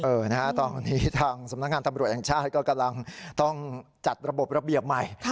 เออตอนนี้ช่างสำนักงานตำรวจองชาติกลางต้องจัดระบบรับเบียบใหม่